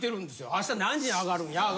明日何時に上がるんや？